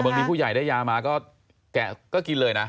บางทีผู้ใหญ่ได้ยามาก็แกะก็กินเลยนะ